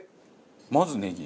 まずネギ？